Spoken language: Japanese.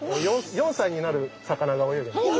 ４歳になる魚が泳いでます。